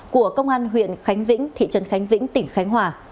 của công an huyện khánh vĩnh thị trấn khánh vĩnh tỉnh khánh hòa